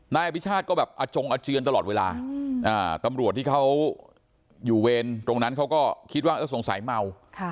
นายอภิชาติก็แบบอาจงอาเจือนตลอดเวลาตำรวจที่เขาอยู่เวรตรงนั้นเขาก็คิดว่าสงสัยเมา